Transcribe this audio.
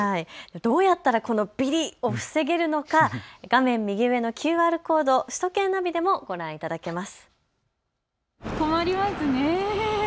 どうやったらこのビリッを防げるのか、画面右上のＱＲコード、首都圏ナビでもご覧いただけます。